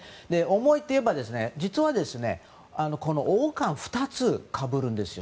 重いといえば、実は王冠２つ、かぶるんですよ。